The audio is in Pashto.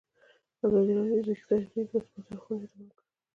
ازادي راډیو د بیکاري د مثبتو اړخونو یادونه کړې.